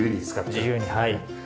自由にはい。